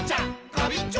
ガビンチョ！